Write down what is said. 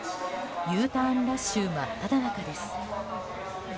Ｕターンラッシュ真っただ中です。